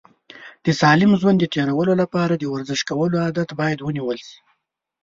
د سالم ژوند د تېرولو لپاره د ورزش کولو عادت باید ونیول شي.